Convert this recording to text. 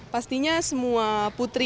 pastinya semua putri